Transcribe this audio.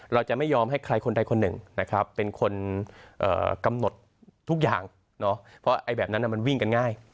เราจะไม่ยอมให้ใครคนใดคนหนึ่งนะครับเป็นคนกำหนดทุกอย่างเพราะแบบนั้นมันวิ่งกันง่าย